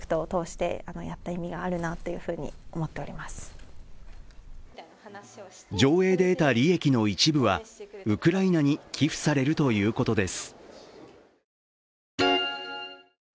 粉川さんを突き動かしたもの上映で得た利益の一部はウクライナに寄付されるということです。